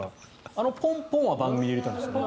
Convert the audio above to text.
あのポンポンは番組で入れたんですよね？